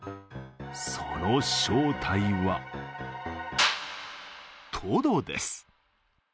その正体はトドです。